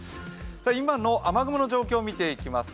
今の雨雲の状況を見ていきます。